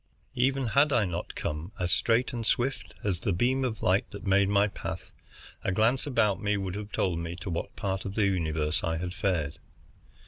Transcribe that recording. Even had I not come as straight and swift as the beam of light that made my path, a glance about would have told me to what part of the universe I had fared.